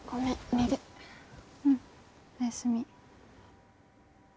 うんおやすみ。